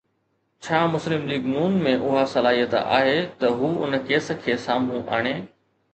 ڇا مسلم ليگ ن ۾ اها صلاحيت آهي ته هو ان ڪيس کي سامهون آڻي؟